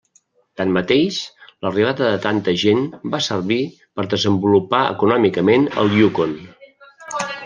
Tanmateix l'arribada de tanta gent va servir per desenvolupar econòmicament el Yukon.